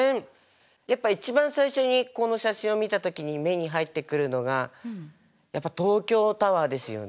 やっぱ一番最初にこの写真を見た時に目に入ってくるのがやっぱ東京タワーですよね。